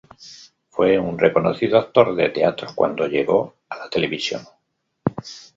Fue un reconocido actor de teatro cuando llegó a la televisión.